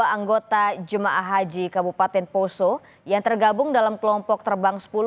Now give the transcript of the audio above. dua anggota jemaah haji kabupaten poso yang tergabung dalam kelompok terbang sepuluh